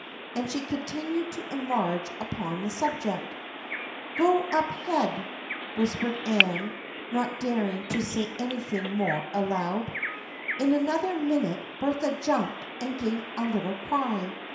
And she continued to enlarge upon the subject. " Go up head !" whispered Anne, not daring to say anything more aloud. In another minute Bertha jumped and gave a little cry.